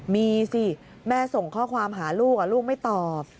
มีสิแม่ส่งข้อความหาลูกลูกไม่ตอบ